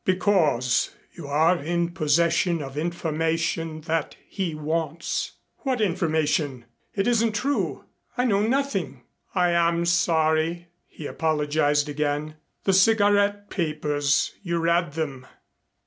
"Because you are in possession of information that he wants." "What information? It isn't true. I know nothing." "I am sorry," he apologized again. "The cigarette papers. You read them."